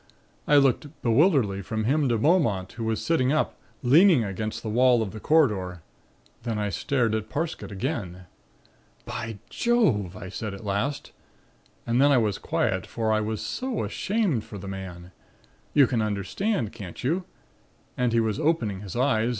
I looked bewilderedly from him to Beaumont, who was sitting up, leaning against the wall of the corridor. Then I stared at Parsket again. "'By Jove!' I said at last, and then I was quiet for I was so ashamed for the man. You can understand, can't you? And he was opening his eyes.